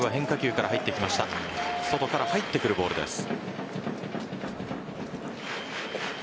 外から入ってくるボールです。